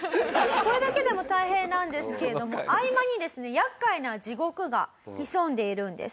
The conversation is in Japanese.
これだけでも大変なんですけれども合間にですね厄介な地獄が潜んでいるんです。